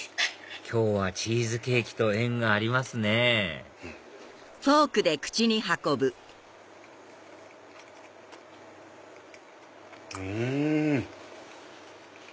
今日はチーズケーキと縁がありますねうん！